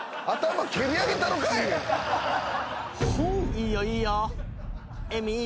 いいよいいよ。